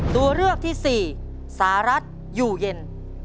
ตัวเลือกที่สี่สหรัฐอยู่เย็น